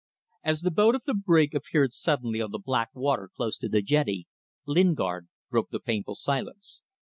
As the boat of the brig appeared suddenly on the black water close to the jetty, Lingard broke the painful silence.